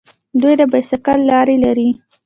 دوی د بایسکل لارې لري.